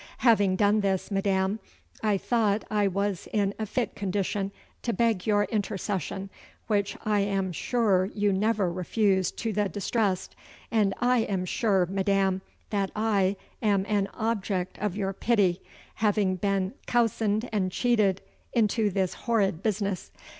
Having done this, madam, I thought I was in a fitt condition to beg your intercession, which I am sure you never refuse to the distressed, and I am sure, madam, that I am an object of your pity, having been cousened and cheated into this horrid business.